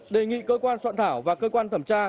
đề nghị cơ quan soạn thảo và cơ quan thẩm tra